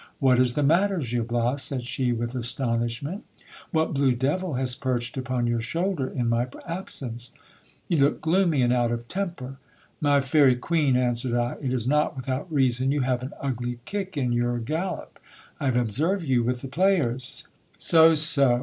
What is the matter, Gil lilas, said she with astonishment ; what blue devil has perched upon your shoulder in my absence ? You look gloomy and out of temper. My fairy cueen, answered I, it is not without reason, you have an ugly kick in your gal lop. I have observed you with the players So, so